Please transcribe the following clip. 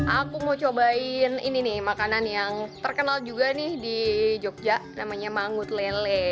aku mau cobain ini nih makanan yang terkenal juga nih di jogja namanya mangut lele